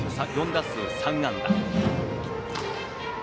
４打数３安打。